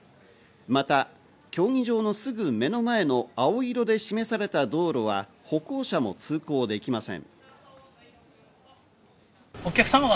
また、競技場のすぐ目の前の青色で示された道路は歩行者も通行できません。